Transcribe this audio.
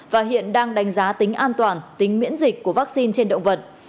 và hiện đang đánh giá tính an toàn tính miễn dịch của vaccine trên động vật